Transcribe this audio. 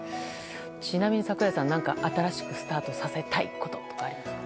ちなみに櫻井さん、何か新しくスタートさせたいことありますか。